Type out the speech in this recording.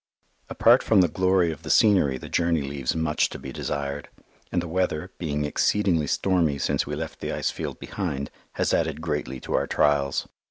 Apart from the glory of the scenery the journey leaves much to be desired, and the weather, being exceedingly stormy since we left the ice field behind, has added greatly to our trials.